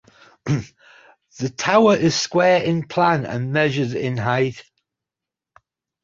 The tower is square in plan and measures in height.